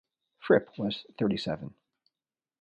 Fripp was thirty-seven.